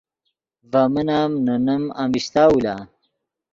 ڤے من ام نے نیم امیشتاؤ لا